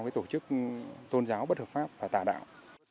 với tổ chức tôn giáo